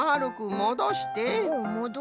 もどして。